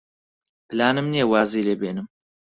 پلانم نییە وازی لێ بێنم.